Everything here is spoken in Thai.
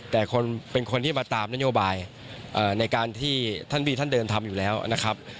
แต่คนเป็นคนที่มาตามนโยบายในการที่ท่านบีท่านเดินทำอยู่แล้วนะครับ